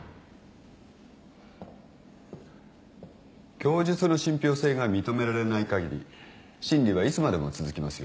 供述の信ぴょう性が認められないかぎり審理はいつまでも続きますよ。